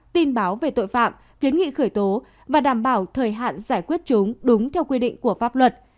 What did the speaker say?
tin báo về tội phạm kiến nghị khởi tố và đảm bảo thời hạn giải quyết chúng đúng theo quy định của pháp luật